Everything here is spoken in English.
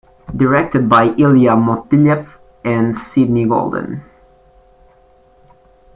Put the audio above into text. Directed by Ilya Motyleff and Sidney Goldin.